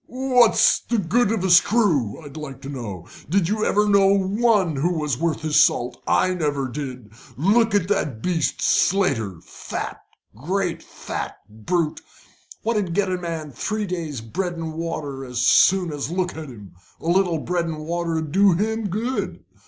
"What's the good of a screw, I'd like to know? Did you ever know one what was worth his salt? I never did. Look at that beast, Slater, great fat brute, what'd get a man three days' bread and water as soon as look at him. A little bread and water'd do him good.